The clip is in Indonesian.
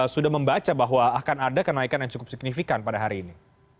sudah membaca bahwa akan ada kenaikan yang cukup signifikan pada hari ini